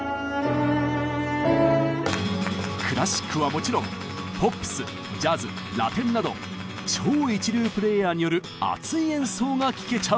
クラシックはもちろんポップスジャズラテンなど超一流プレーヤーによる熱い演奏が聴けちゃうんです！